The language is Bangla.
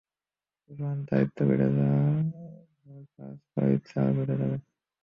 এখন দায়িত্ব বেড়ে যাওয়ায় ভালো কাজ করার ইচ্ছা আরও বেড়ে যাবে।